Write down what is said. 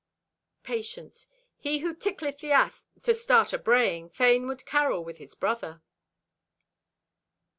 Patience.—"He who tickleth the ass to start a braying, fain would carol with his brother."